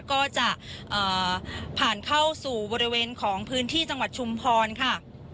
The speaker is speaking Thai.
ก็จะผ่านเข้าสู่บริเวณของพื้นที่จังหวัดชุมพรค่ะ